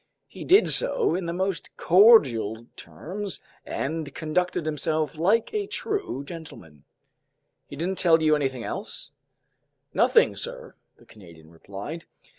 He did so in the most cordial terms and conducted himself like a true gentleman." "He didn't tell you anything else?" "Nothing, sir," the Canadian replied.